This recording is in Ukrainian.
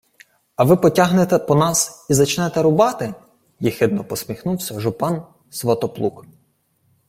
— А ви потягнете по нас і зачнете рубати? — єхидно посміхнувся жупан Сватоплук.